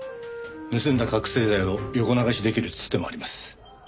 盗んだ覚醒剤を横流しできるツテもあります。